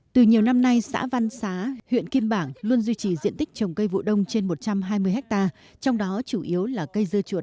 từ nhiều năm nay xã văn xá huyện kim bảng luôn duy trì diện tích trồng cây vụ đông trên một trăm hai mươi ha trong đó chủ yếu là cây dưa chuột